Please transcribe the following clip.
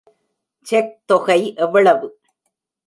Check தொகை எவ்வளவு?